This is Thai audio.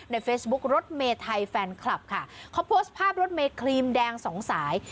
เฟซบุ๊ครถเมไทยแฟนคลับค่ะเขาโพสต์ภาพรถเมครีมแดงสองสาย